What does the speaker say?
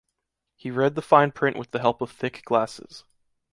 He read the fine print with the help of thick glasses.